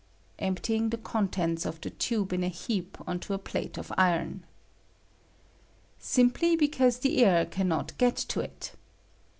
[Emptying the contents of the tube in a heap on to a pla1« of iron,] Simply because the air can not get to it.